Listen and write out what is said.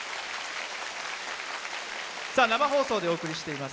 生放送でお送りしています